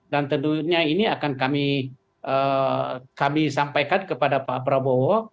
dan tentunya ini akan kami sampaikan kepada pak prabowo